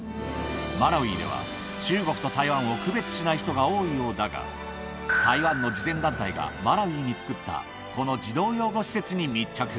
マラウイでは、中国と台湾を区別しない人が多いようだが、台湾の慈善団体がマラウイにつくったこの児童養護施設に密着。